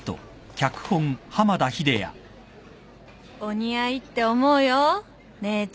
「お似合いって思うよ姉ちゃん」